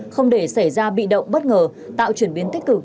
không để xảy ra bị động bất ngờ tạo chuyển biến tích cực